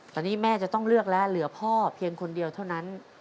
ตอนนี้แม่จะต้องเลือกแล้วเหลือพ่อเพียงคนเดียวเท่านั้น